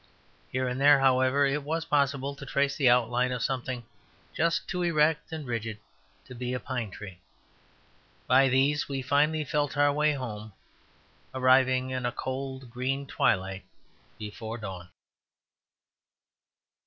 Here and there, however, it was possible to trace the outline of something just too erect and rigid to be a pine tree. By these we finally felt our way home, arriving in a cold green twilight before dawn.